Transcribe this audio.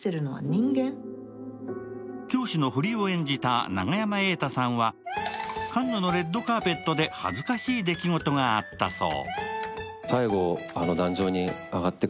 教師の保利を演じた永山瑛太さんはカンヌのレッドカーペットで恥ずかしい出来事があったそう。